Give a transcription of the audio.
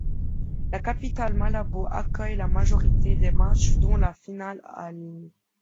La capitale Malabo accueille la majorité des matchs dont la finale, à l'.